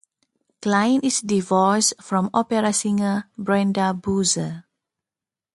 Klein is divorced from opera singer Brenda Boozer.